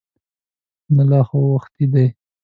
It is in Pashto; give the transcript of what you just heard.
نه لا خو وختي دی.